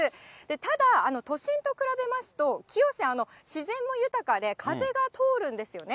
ただ、都心と比べますと、清瀬、自然も豊かで風が通るんですよね。